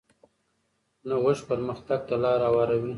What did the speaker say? نوښت پرمختګ ته لار هواروي.